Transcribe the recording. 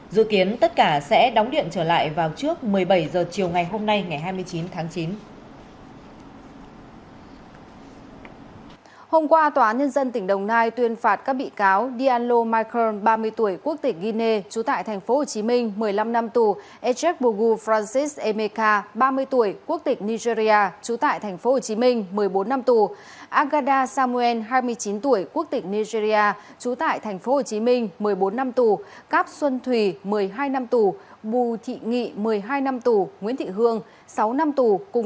dự kiến tất cả sẽ đóng điện trở lại vào trước một mươi bảy h chiều ngày hôm nay ngày hai mươi chín tháng chín